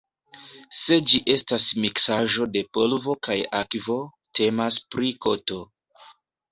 Se ĝi estas miksaĵo de polvo kaj akvo, temas pri koto.